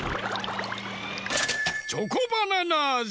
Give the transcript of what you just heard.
チョコバナナあじ！